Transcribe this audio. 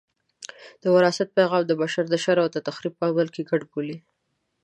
د وراثت پیغام د بشر د شر او تخریب په عمل کې ګډ بولي.